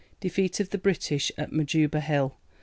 Defeat of the British at Majuba Hill.